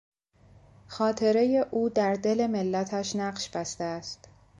خاطرهی او در دل ملتش نقش بسته است.